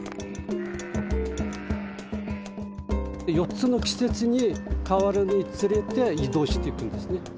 ４つの季節に変わるにつれて移動していくんですね。